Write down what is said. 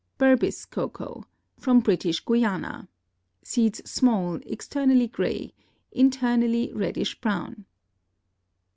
Berbice Cocoa.—From British Guiana. Seeds small, externally gray, internally reddish brown.